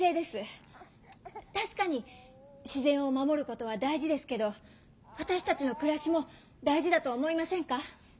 確かに自然を守ることは大事ですけどわたしたちのくらしも大事だと思いませんか？